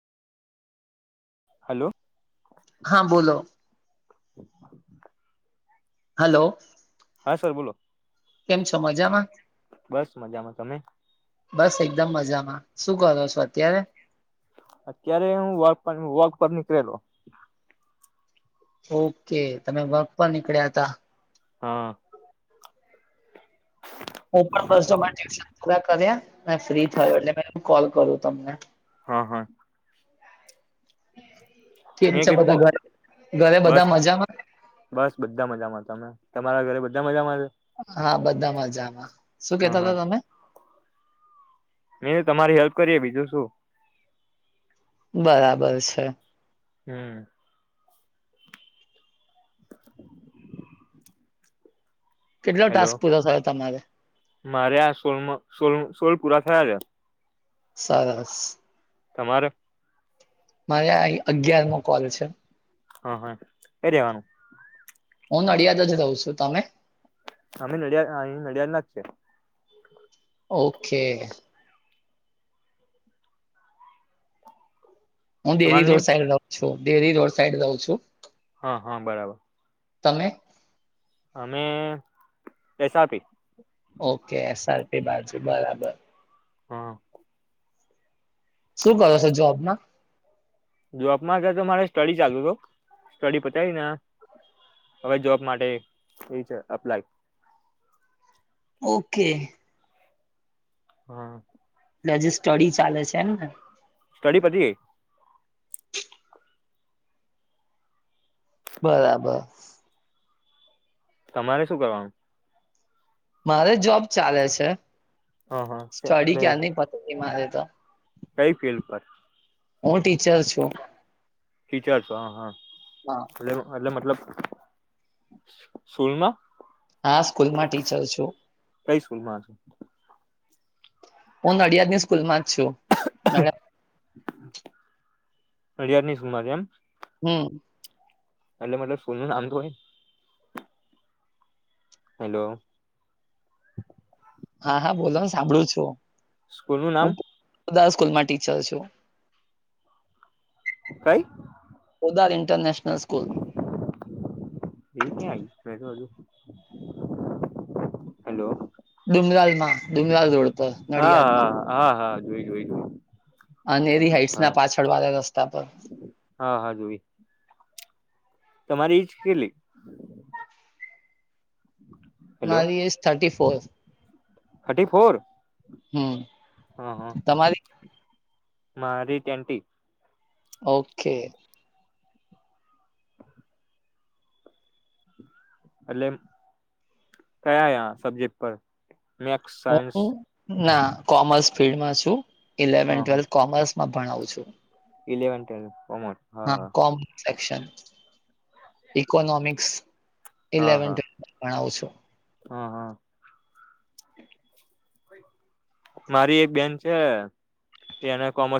Hello હા બોલો. [unintelligible] Hello હા સર બોલો. કેમ છો મજામાં? બસ મજામાં તમે બસ એકદમ મજામાં, શું કરો છો અત્યારે? અત્યારે હું વોક પર, વોક પર નીકળેલો. ઓકે તમે વક પર નીકળ્યા હતા. હા હું પણ બસ જો મારા ટ્યુશન પૂરા કર્યા, ને ફ્રી થયો, એટલે મે કોલ કરું તમને. હા હા કેમ મેં છે કીધું બધા ઘરે, ઘરે બસ બધા મજામાં? બસ બધા મજામાં, તમે, તમારા ઘરે બધા મજામાં છે? હા બધા મજામાં, શું હા કેતા હા તા તમે? એ તમારી હેલ્પ કરીએ બીજું શું. બરાબર છે. હમ્મ કેટલો હેલો ટાસ્ક પૂરો થયો તમારે? મારે આ સોલમો, સોલ સોલ પૂરા થયા છે. સરસ. તમારે? મારે આ ઇ અગિયાર મો કોલ છે. હા હા, એરેવાનું હું નડિયાદજ રહું છું, તમે? અમે નડિયા, અહી નડિયાદ નાજ છે. ઓકે હું ડેરી તમારું નેમ રોડ સાઈડ રહું છું, ડેરી રોડ સાઈડ રહું છું. હા હા, બરાબર. તમે? અમે, S R P okay, S R P બાજુ, બરાબર. હા શું કરો છો જોબમાં? જોબ માં કેતો મારે સ્ટડી ચાલુ છુ, સ્ટડી પતાવી ને આ હવે જોબ માટે, વિચાર અપ્લાય ઓકે હા એટલે હજી સ્ટડી ચાલે છે, એમને સ્ટડી પતિ ગઇ. બરાબર. તમારે શું કરવાનું? મારે જોબ ચાલે છે, હા હા સ્ટડી એટલે ક્યાર ની પતી ગઈ મારે તો. કઈ ફિલ્ડ પર? હું ટીચર છું. ટીચર છો, હા હા લેહુ એટલે મતલબ સ્કૂલ માં? હા, સ્કૂલ માં ટીચર છું. કઈ સ્કૂલ માં છો? હું નડિયાદની સ્કૂલમાં જ છું. મેડમ અડિયાર ની સુુમારે એમ હમ્મ એટલે મતલબ સ્કુલનુ નામ તો હોય. હેલો હા હા બોલો, સાંભળું છું. સ્કૂલનું નામ? બધા સ્કૂલ માં ટીચર છું. કઈ? Podar international school. એ ક્યા આઈવું? [inaudible] હેલો. ડુંમરાલ માં. ડુંમરાલ રોડ પર હા નડિયાદ માં. હા હા હા જોય જોય જોયું. અનેરી હાઈઇટ્સ ના પાછળ વાળા રસ્તા પર. હા હા જોઈ. તમારી એજ કેટલી? હેલો મારી age thirty four. Thirty four? Hmm હા હા. તમારી મારી ટ્વેન્ટી. ઓકે. એટલે કયાયા સબ્જેક્ટ પર મેથસ સાયન્સ? હું ના, કોમર્સ ફિલ્ડમાં છું. ઇલેવન હા હા ટ્વેલ્થ કોમર્સમાં ભણાવું છું. Eleven twelfth commerce. હા કોમસ સેક્શન. ઇકોનોમિક્સ હા હા ઇલેવન હા ટ્વેલસ ભણાવું છું. હા હા. મારી એક બેન છે એને કોમર્સ